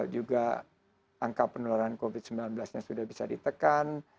juga angka penularan covid sembilan belas nya sudah bisa ditekan